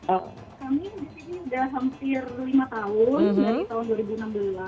oh kami di sini sudah hampir lima tahun dari tahun dua ribu enam belas